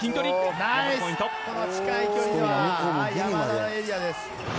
ナイス、この近い距離は山田のエリアです。